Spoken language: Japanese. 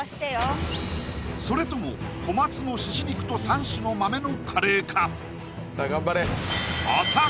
それとも小松の猪肉と３種の豆のカレーか？